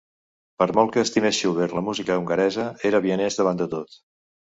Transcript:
Per molt que estimes Schubert la música hongaresa, era vienès davant de tot.